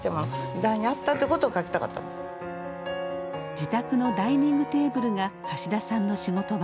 自宅のダイニングテーブルが橋田さんの仕事場。